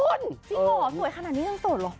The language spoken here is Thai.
คุณจริงเหรอสวยขนาดนี้ยังโสดเหรอ